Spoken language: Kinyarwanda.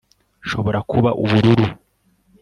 nshobora kuba ubururu